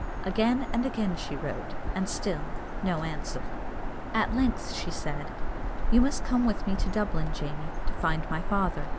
Again and again she wrote, and still no answer. At length she said, "You must come with me to Dublin, Jamie, to find my father."